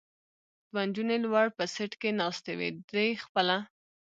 دوه نجونې لوړ په سېټ کې ناستې وې، دی خپله.